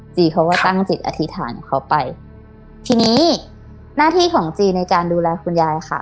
เขาก็ตั้งจิตอธิษฐานของเขาไปทีนี้หน้าที่ของจีในการดูแลคุณยายค่ะ